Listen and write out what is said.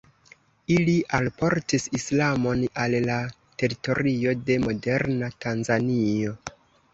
Ili alportis islamon al la teritorio de moderna Tanzanio.